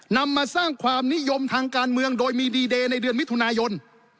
นำมาสร้างความนิยมทางการเมืองโดยมีดีเดย์ในเดือนมิถุนายน